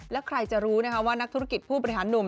แล้วใครจะรู้ว่านักธุรกิจผู้บริหารหนุ่ม